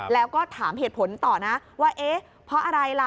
แล้วก็ถามเหตุผลต่อนะว่าเอ๊ะเพราะอะไรล่ะ